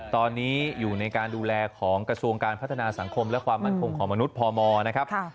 ตอนนี้อยู่ในการดูแลของกระทรวงการพัฒนาสังคมและความมั่นคงของมนุษย์พมนะครับ